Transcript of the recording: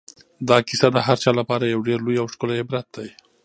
دا کیسه د هر چا لپاره یو ډېر لوی او ښکلی عبرت دی.